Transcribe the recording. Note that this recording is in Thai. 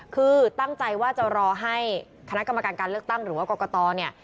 คือตั้งใจว่าจะรอให้คณะกรรมการการเลือกตั้งหรือว่ากรกตเนี่ย